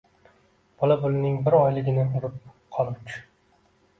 bola pulining bir oyligini urib qoluvchi